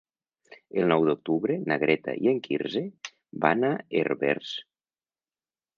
El nou d'octubre na Greta i en Quirze van a Herbers.